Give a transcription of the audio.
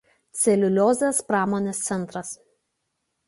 Celiuliozės pramonės centras.